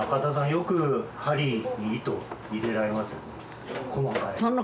よく針に糸を入れられますよね。